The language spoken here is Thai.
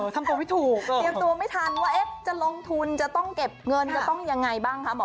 ต้องเล่นมารวมดูว่าไอ้จรงทุนจะต้องเก็บเงินจะต้องยังไงบ้าง